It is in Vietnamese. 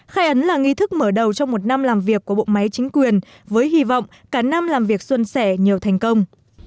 khai ấn là nghi thức mở đầu trong một năm làm việc của bộ máy chính quyền với hy vọng cả năm làm việc xuân sẻ nhiều thành công